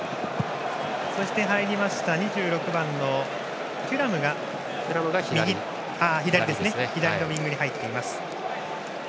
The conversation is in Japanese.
そして２６番のテュラムが左のウイングに入っています。